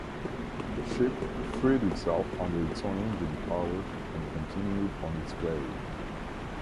The ship freed itself under its own engine power and continued on its way.